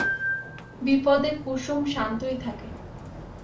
বিপদে কুসুম শান্তই থাকে।